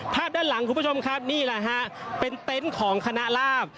ด้านหลังคุณผู้ชมครับนี่แหละฮะเป็นเต็นต์ของคณะลาบ